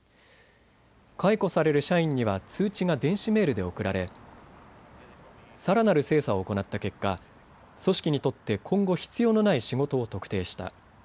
解雇される社員には通知が電子メールで送られさらなる精査を行った結果、組織にとって今後、必要のない仕事を特定した。